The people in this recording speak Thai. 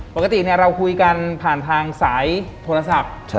ปกติเราคุยกันผ่านทางสายโทรศัพท์